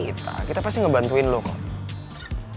bukan temen kita kita pasti ngebantuin lo kok